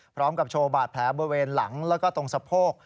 พร้อมกับโชว์บาดแผลบริเวณหลังแล้วก็ตรงสะโพก